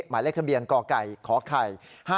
หมายเลขทะเบียนกไก่ขไข่๕๗